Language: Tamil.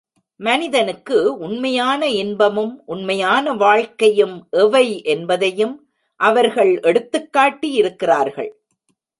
மனிதனுக்கு உண்மையான இன்பமும், உண்மையான வாழ்க்கையும் எவை என்பதையும் அவர்கள் எடுத்துக் காட்டி யிருக்கிறார்கள்.